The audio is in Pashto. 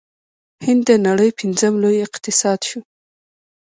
هند د نړۍ پنځم لوی اقتصاد شو.